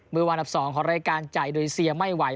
มือวันดับ๒ของรายการจ่ายโดยเสียไม่ไหว